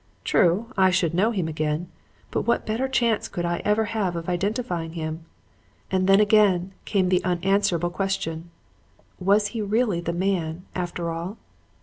True, I should know him again; but what better chance should I ever have of identifying him? And then again came the unanswerable question: Was he really the man, after all?